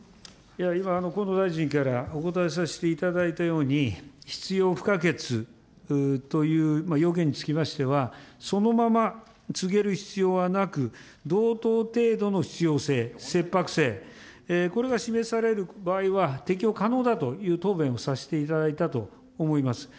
今、河野大臣からお答えさせていただいたように、必要不可欠という要件につきましては、そのまま告げる必要はなく、同等程度の必要性、切迫性、これが示される場合は、適用可能だという答弁をさせていただいたと思います。